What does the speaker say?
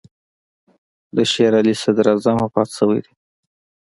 د شېر علي صدراعظم وفات شوی دی.